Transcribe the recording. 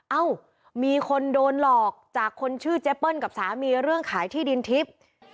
เอ้ามีคนโดนหลอกจากคนชื่อเจเปิ้ลกับสามีเรื่องขายที่ดินทิพย์